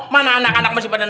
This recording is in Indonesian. mas uwai masuk ke bawah